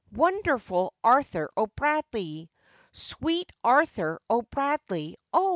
wonderful Arthur O'Bradley! Sweet Arthur O'Bradley, O!